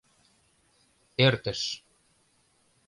Эртыш